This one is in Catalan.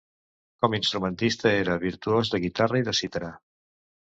Com instrumentista era virtuós de Guitarra i de cítara.